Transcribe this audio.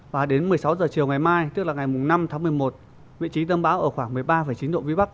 hai mươi sáu h chiều ngày mai tức là ngày năm tháng một mươi một vị trí tâm bão ở khoảng một mươi ba chín độ vĩ bắc